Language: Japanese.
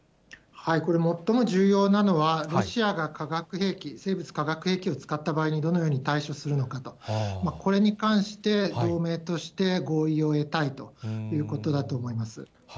これ最も重要なのは、ロシアが化学兵器、生物化学兵器を使った場合に、どのように対処するのかと、これに関して、同盟として合意を得たいということだと思います。